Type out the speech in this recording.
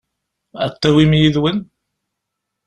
Ad t-tawim yid-wen?